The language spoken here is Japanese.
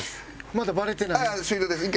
まだバレてない。